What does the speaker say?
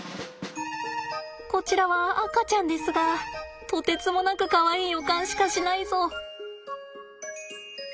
こちらは赤ちゃんですがとてつもなくかわいい予感しかしないぞ。